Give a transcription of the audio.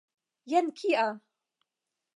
Jen kia!